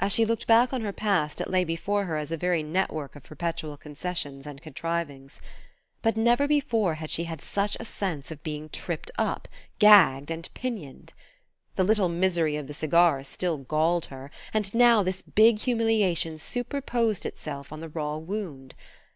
As she looked back on her past it lay before her as a very network of perpetual concessions and contrivings. But never before had she had such a sense of being tripped up, gagged and pinioned. The little misery of the cigars still galled her, and now this big humiliation superposed itself on the raw wound.